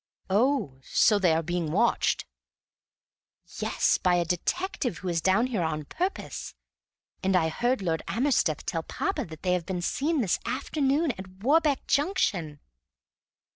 "Oh! so they are being watched?" "Yes, by a detective who is down here on purpose. And I heard Lord Amersteth tell papa that they had been seen this afternoon at Warbeck Junction!"